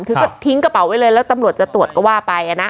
คือก็ทิ้งกระเป๋าไว้เลยแล้วตำรวจจะตรวจก็ว่าไปนะ